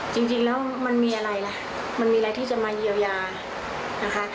จริงแล้วมันมีอะไรล่ะมันมีอะไรที่จะมาเยียวยานะคะ